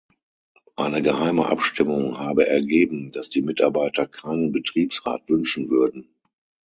Eine geheime Abstimmung habe ergeben, dass die Mitarbeiter keinen Betriebsrat wünschen würden.